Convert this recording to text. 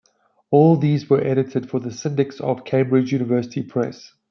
All these were edited for the syndics of the Cambridge University Press.